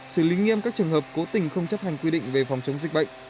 xử lý nghiêm các trường hợp cố tình không chấp hành quy định về phòng chống dịch bệnh